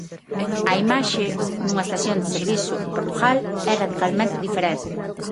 A imaxe nunha estación de servizo en Portugal é radicalmente diferente.